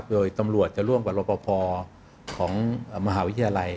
โดยตำรวจจะร่วมกับรปภของมหาวิทยาลัย